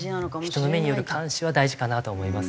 人の目による監視は大事かなと思いますね。